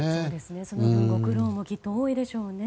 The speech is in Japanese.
その分ご苦労もきっと多いでしょうね。